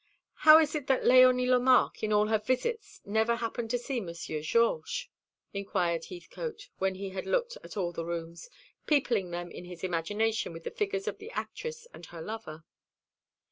"How is it that Léonie Lemarque in all her visits never happened to see Monsieur Georges?" inquired Heathcote, when he had looked at all the rooms, peopling them in his imagination with the figures of the actress and her lover.